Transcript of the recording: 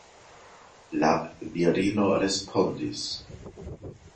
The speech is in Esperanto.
La virino respondis: